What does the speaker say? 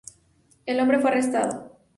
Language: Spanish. El hombre fue arrestado.